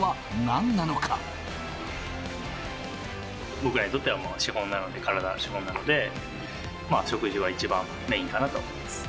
僕らにとっては資本なので、体が資本なので、食事は一番メインかなと思います。